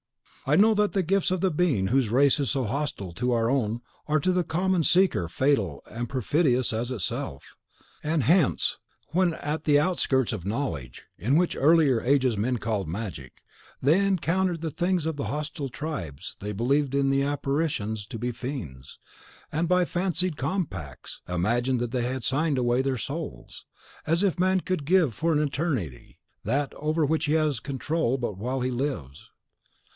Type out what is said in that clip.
I know that the gifts of the Being whose race is so hostile to our own are, to the common seeker, fatal and perfidious as itself. And hence, when, at the outskirts of knowledge, which in earlier ages men called Magic, they encountered the things of the hostile tribes, they believed the apparitions to be fiends, and, by fancied compacts, imagined they had signed away their souls; as if man could give for an eternity that over which he has control but while he lives!